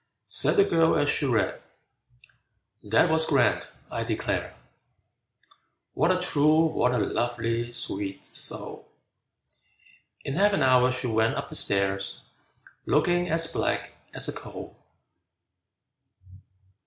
Said the girl as she read, "That was grand, I declare! What a true, what a lovely, sweet soul!" In half an hour she went up the stair, Looking as black as a coal!